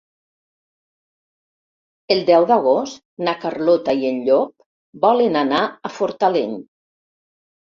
El deu d'agost na Carlota i en Llop volen anar a Fortaleny.